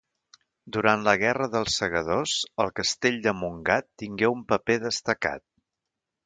Durant la guerra dels segadors, el castell de Montgat tingué un paper destacat.